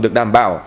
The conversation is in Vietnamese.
được đảm bảo